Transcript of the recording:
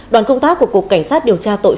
đoàn công tác của cục cảnh sát điều tra tội